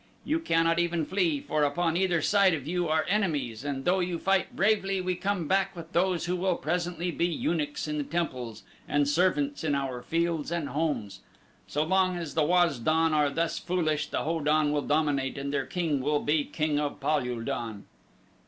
You cannot even flee, for upon either side of you are enemies and though you fight bravely we come back with those who will presently be eunuchs in the temples and servants in our fields and homes. So long as the Waz don are thus foolish the Ho don will dominate and their king will be king of Pal ul don."